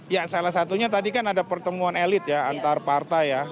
ya salah satunya tadi kan ada pertemuan elit ya antar partai ya